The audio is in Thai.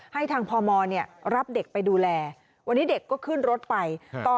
ให้ทางพมรับเด็กไปดูแลวันนี้เด็กก็ขึ้นรถไปต่อ